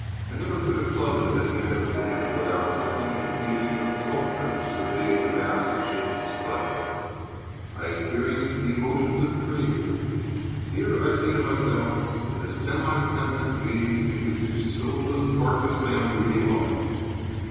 I never put a club into the hand of a beginner without something of the feeling of the sculptor who surveys a mass of shapeless clay. I experience the emotions of a creator. Here, I say to myself, is a semi sentient being into whose soulless carcass I am breathing life.